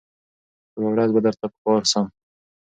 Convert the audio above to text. خو یوه ورځ به درته په کار سم